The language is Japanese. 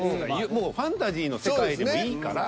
もうファンタジーの世界でもいいから。